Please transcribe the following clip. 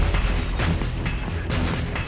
harus masih dura lagi gak